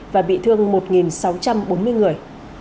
và bị thương một sáu trăm bốn mươi người